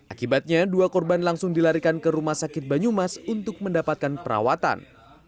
akibatnya dua korban langsung dilarikan ke rumah sakit banyumas untuk mendapatkan perawatan